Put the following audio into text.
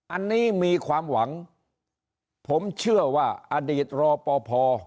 อันนี้มีความหวังผมเชื่อว่าอดีตรอปภ